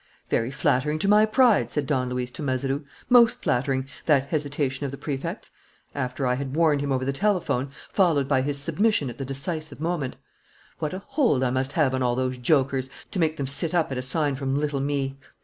"Very flattering to my pride," said Don Luis to Mazeroux, "most flattering, that hesitation of the Prefect's, after I had warned him over the telephone, followed by his submission at the decisive moment. What a hold I must have on all those jokers, to make them sit up at a sign from little me!